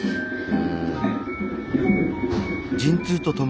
うん。